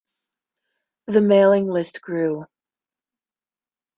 The mailing list grew.